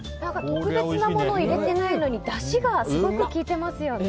特別なものを入れていないのにだしがすごく効いていますよね。